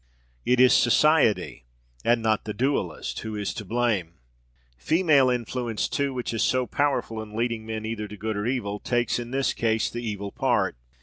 It is society, and not the duellist, who is to blame. Female influence too, which is so powerful in leading men either to good or to evil, takes in this case the evil part.